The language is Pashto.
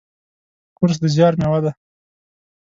کورس د زیار میوه ده.